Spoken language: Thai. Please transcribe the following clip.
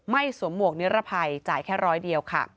ไม่สวมหมวกเนื้อรภัยจ่ายแค่ร้อยเดียว